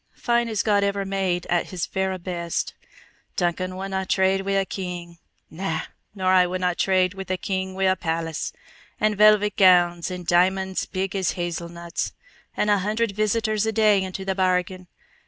Fine as God ever made at His verra best. Duncan wouldna trade wi' a king! Na! Nor I wadna trade with a queen wi' a palace, an' velvet gowns, an' diamonds big as hazelnuts, an' a hundred visitors a day into the bargain.